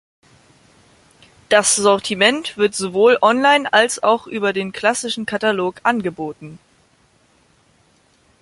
Das Sortiment wird sowohl online als auch über den klassischen Katalog angeboten.